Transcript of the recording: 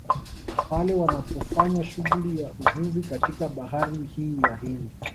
Pale wanapofanya shughuli ya uvuvi katika bahari hii ya Hindi